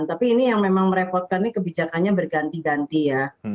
tapi ini yang memang merepotkan ini kebijakannya berganti ganti ya